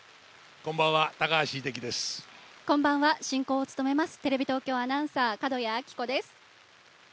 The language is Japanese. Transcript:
こんばんは、進行をつとめますテレビ東京アナウンサー角谷暁子です。